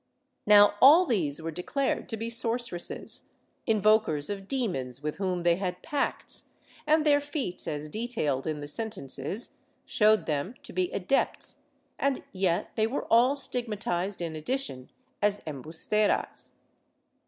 Now all these were declared to be sorceresses, invokers of demons with whom they had pacts, and their feats, as detailed in the sentences, showed them to be adepts and yet they were all stigmatized in addition as emhusteras?